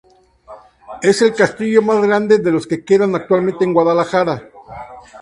Es el castillo más grande de los que quedan actualmente en Guadalajara.